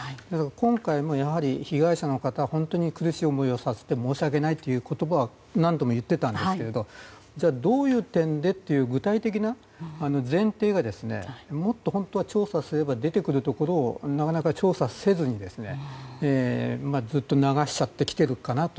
今回も、被害者の方本当に苦しい思いをさせて申し訳ないという言葉は何度も言っていたんですけどじゃあ、どういう点でという具体的な前提がもっと本当は調査すれば出てくるところをなかなか調査せずに、ずっと流しちゃってきてるかなと。